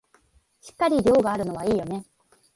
しっかり量があるのはいいよね